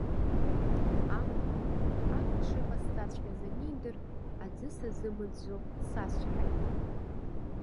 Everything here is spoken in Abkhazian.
Амала, ақҭ шыҟасҵаҵәҟьаз анидыр, аӡы сазымыӡәӡәо дсацәҳаит.